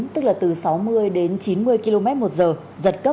tức là từ sáu mươi đến chín mươi km một giờ giật cấp một mươi